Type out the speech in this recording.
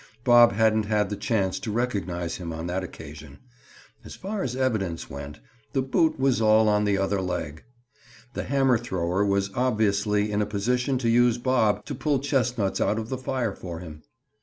Bob hadn't had the chance to recognize him on that occasion. As far as evidence went, the "boot was all on the other leg." The hammer thrower was obviously in a position to use Bob to pull chestnuts out of the fire for him.